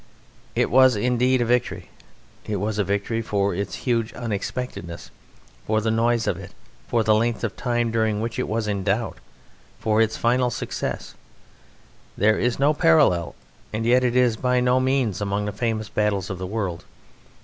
It was indeed a victory; it was a victory which, for its huge unexpectedness, for the noise of it, for the length of time during which it was in doubt, for its final success, there is no parallel, and yet it is by no means among the famous battles of the world.